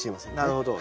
なるほど。